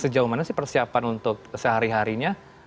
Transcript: sejauh mana sih persiapan untuk sehari harinya